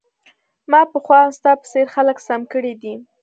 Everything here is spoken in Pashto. ما پخوا هم ستا په څیر خلک سم کړي دي